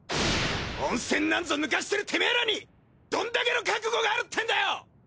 温泉なんぞぬかしてるテメエらにどんだけの覚悟があるってんだよ！！